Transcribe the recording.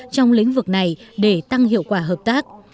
trong lĩnh vực này để tăng hiệu quả hợp tác